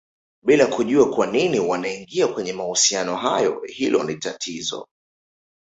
bila kujua kwanini wanaingia kwenye mahusiano hayo hilo ni tatizo